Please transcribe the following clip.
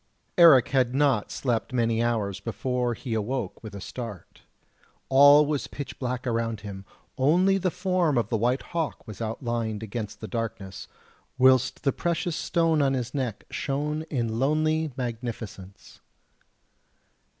Eric had not slept many hours before he awoke with a start. All was pitch black around him, only the form of the white hawk was outlined against the darkness, whilst the precious stone on its neck shone in lonely magnificence.